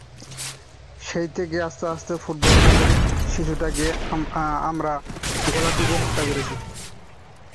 সেই থেকে আস্তে আস্তে ফুটবল নামের শিশুটাকে আমরা গলা টিপে হত্যা করেছি।